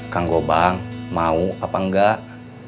kang gobang mau apa enggak